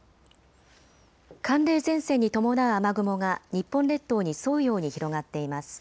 寒冷前線に伴う雨雲が日本列島に沿うように広がっています。